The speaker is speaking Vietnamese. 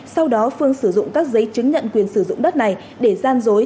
sau đó phương sử dụng các giấy chứng nhận quyền sử dụng đất này để gian dối